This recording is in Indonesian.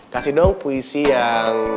kasih dong puisi yang